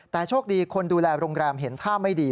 แต่โชคดีคนดูแลโรงแรมเห็นท่าไม่ดี